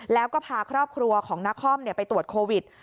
แล้วก็พาครอบครัวของนครไปตรวจโควิด